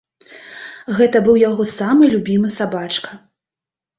Гэта быў яго самы любімы сабачка.